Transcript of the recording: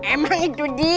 emang itu dia